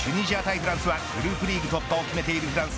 フランスはグループリーグ突破を決めているフランス。